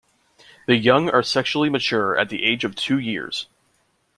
The young are sexually mature at the age of two years.